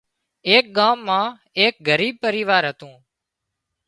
ايڪ ڳام مان ايڪ ڳريب پريوار هتُون